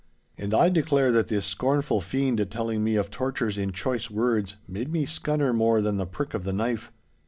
And I declare that this scornful fiend telling me of tortures in choice words made me scunner more than the prick of the knife.